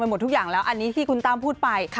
หมดทุกอย่างแล้วอันนี้ที่คุณตั้มพูดไป